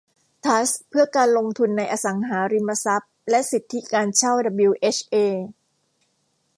ทรัสต์เพื่อการลงทุนในอสังหาริมทรัพย์และสิทธิการเช่าดับบลิวเอชเอ